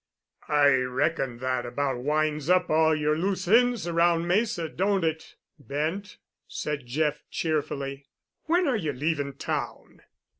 "I reckon that about winds up all your loose ends around Mesa, don't it, Bent?" said Jeff cheerfully. "When are you leaving town?"